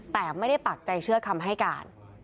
แต่ไม่ได้ปักใจเชื่อคำให้การ